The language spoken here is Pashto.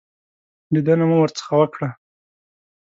لیدنه مو ورڅخه وکړه.